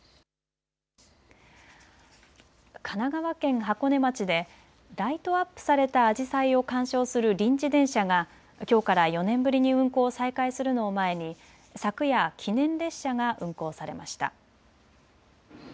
神奈川県箱根町でライトアップされたあじさいを鑑賞する臨時電車がきょうから４年ぶりに運行を再開するのを前に昨夜記念列車が運行されました。